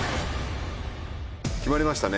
決まりましたね。